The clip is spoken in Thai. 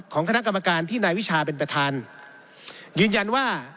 คนที่ท่าเป็นประธานยืนยันว่า